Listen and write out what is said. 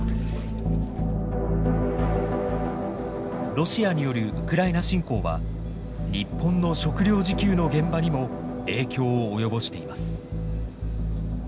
ロシアによるウクライナ侵攻は日本の食料自給の現場にも影響を及ぼしています。